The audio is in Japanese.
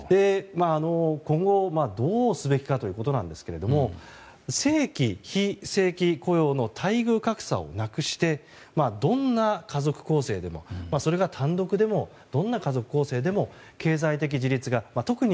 今後どうすべきかということですが正規・非正規雇用の待遇格差をなくしてどんな家族構成でもそれが単独でもどんな家族構成でも経済的自立が。